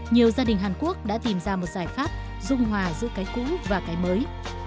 nhiều gia đình hàn quốc đã tìm ra một giải pháp dung hòa giữa cái cũ và cái mới